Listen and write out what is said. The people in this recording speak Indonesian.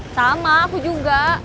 sama aku juga